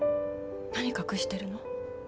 何隠してるの？